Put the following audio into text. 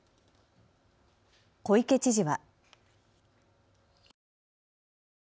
小池知事は。